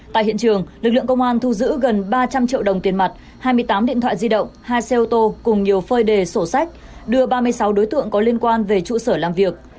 tại hiện trường lực lượng công an thu giữ gần ba trăm linh triệu đồng tiền mặt hai mươi tám điện thoại di động hai xe ô tô cùng nhiều phơi đề sổ sách đưa ba mươi sáu đối tượng có liên quan về trụ sở làm việc